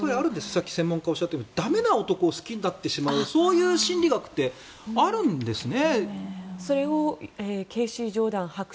さっき専門家も言っていましたが駄目な男を好きになってしまうそういう心理学ってあるんですね。